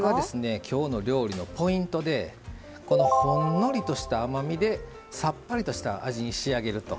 今日の料理のポイントでほんのりとした甘みでさっぱりとした味に仕上げると。